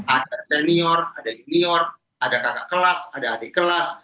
ada senior ada junior ada kakak kelas ada adik kelas